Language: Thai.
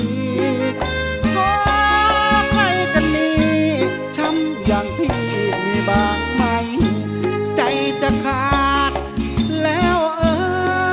ขอใครกันดีช้ำอย่างพี่มีบ้างไหมใจจะขาดแล้วเออ